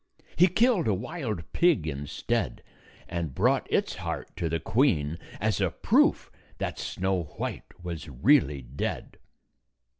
He killed a wild pig instead, and brought its heart to the queen as a proof that Snow White was really dead.